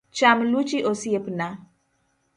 Cham luchi osiepna.